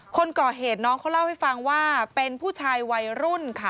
คนก่อเหตุน้องเขาเล่าให้ฟังว่าเป็นผู้ชายวัยรุ่นค่ะ